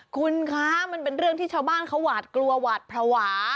คุณคะมันเป็นเรื่องที่ชาวบ้านเขาหวาดกลัวหวาดภาวะ